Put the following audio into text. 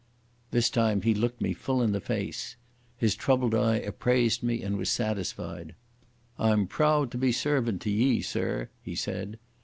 This time he looked me full in the face. His troubled eye appraised me and was satisfied. "I'm proud to be servant to ye, sirr," he said.